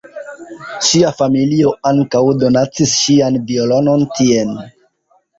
Ŝia familio ankaŭ donacis ŝian violonon tien.